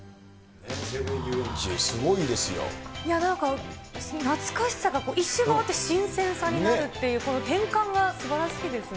西武園ゆうえんちすごいですなんか、懐かしさが一周回って新鮮さになるっていう、この転換がすばらしいですね。